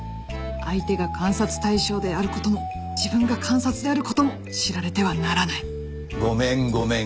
相手が監察対象である事も自分が監察である事も知られてはならないごめんごめん。